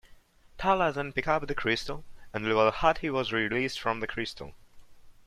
Tala then picked up the crystal and Luwalhati was released from the crystal.